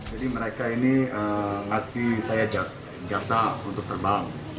jadi mereka ini kasih saya jasa untuk terbang